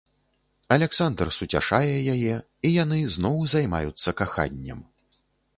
Аляксандр суцяшае яе, і яны зноў займаюцца каханнем.